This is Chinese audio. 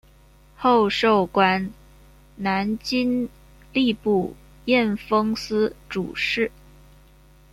后授官南京吏部验封司主事。